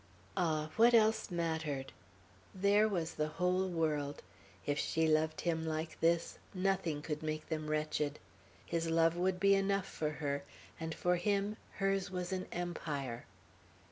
Ah, what else mattered! There was the whole world; if she loved him like this, nothing could make them wretched; his love would be enough for her, and for him hers was an empire.